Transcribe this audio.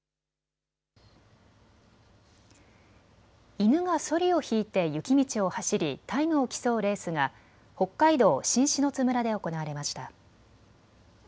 犬がそりを引いて雪道を走りタイムを競うレースが北海道新篠津村で行われました。